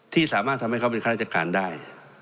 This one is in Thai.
ที่สามารถทำให้เขาเป็นข้าราชการได้